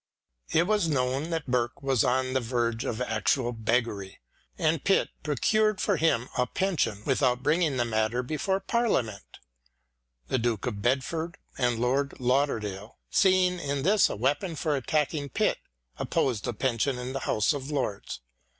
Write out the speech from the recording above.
It was known that Burke was on the verge of actual beggary, and Pitt pro cured for him a pension without bringing the matter before Parliament. The Duke of Bedford and Lord Lauderdale, seeing in this a weapon for attacking Pitt, opposed the pension in the House EDMUND BURKE 65 of Lords.